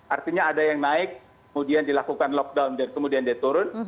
artinya ada yang naik kemudian dilakukan lockdown dan kemudian dia turun